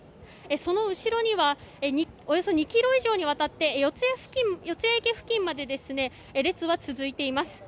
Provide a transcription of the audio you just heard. その後ろにはおよそ２ｋｍ以上にわたって四ツ谷駅付近まで列は続いています。